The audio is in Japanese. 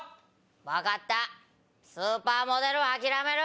分かったスーパーモデルは諦める。